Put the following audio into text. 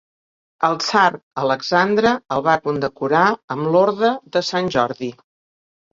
El tsar Alexandre el va condecorar amb l'Orde de Sant Jordi.